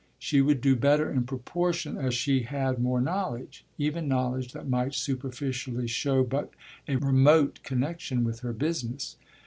She would do better in proportion as she had more knowledge even knowledge that might superficially show but a remote connexion with her business.